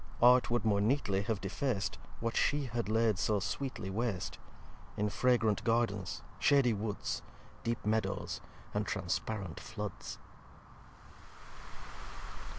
Art would more neatly have defac'd What she had laid so sweetly wast; In fragrant Gardens, shaddy Woods, Deep Meadows, and transparent Floods.